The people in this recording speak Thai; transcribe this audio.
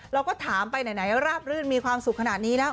เราก็ถามไปไหนราบรื่นมีความสุขขนาดนี้แล้ว